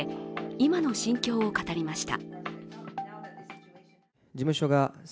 今の心境を語りました。